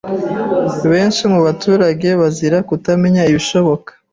benshi mubaturage bazira Kutamenya ibishoboka